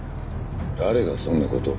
誰がそんな事を。